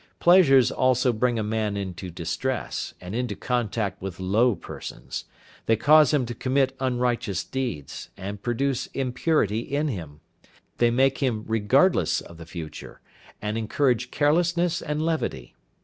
Pleasures also bring a man into distress, and into contact with low persons; they cause him to commit unrighteous deeds, and produce impurity in him; they make him regardless of the future, and encourage carelessness and levity.